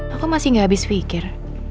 aku masih gak habis pikir